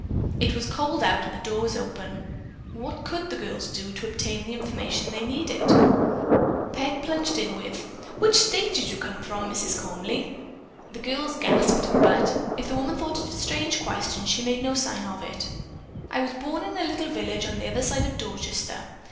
It was cold out and the door was open. What could the girls do to obtain the needed information? Peg plunged in with, "Which state did you come from, Mrs. Comely?" The girls gasped, but, if the woman thought it a strange question, she made no sign of it. "I was born in a little village on the other side of Dorchester.